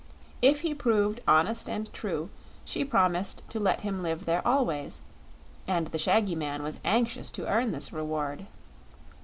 If he proved honest and true she promised to let him live there always, and the shaggy man was anxious to earn this reward.